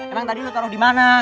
emang tadi lu taruh dimana